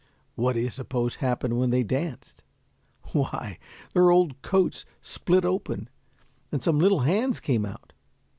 What do you suppose happened when they danced? Why, their old coats split open, and some little hands came out.